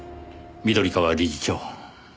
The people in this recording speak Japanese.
緑川理事長。